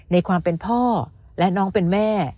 ในความเป็นพ่อและน้องเป็นแม่